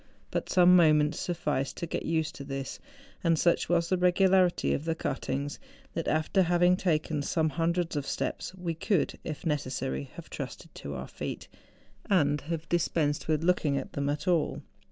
But some moments sufficed to get used to this ; and such was the regularity of the cuttings, that, after having taken some hundreds of steps, we could, if necessary, have trusted to our feet, and have dispensed with looking at them at all.